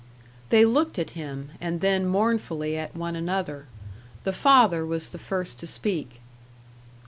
They looked at him, and then mournfully at one another. The father was the first to speak.